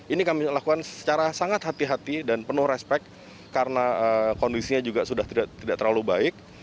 ini kami lakukan secara sangat hati hati dan penuh respect karena kondisinya juga sudah tidak terlalu baik